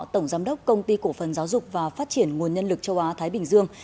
tổng giám đốc công ty cổ phần giáo dục và phát triển nguồn nhân lực châu á thái bình dương